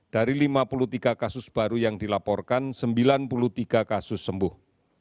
dari lima puluh tiga kasus baru yang dilaporkan sembilan puluh tiga kasus sembuh